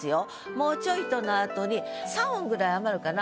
「もうちょいと」の後に３音ぐらい余るかな。